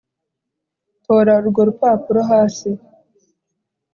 Tora urwo rupapuro hasi